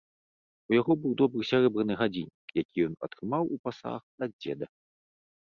У яго быў добры сярэбраны гадзіннік, які ён атрымаў у пасаг ад дзеда.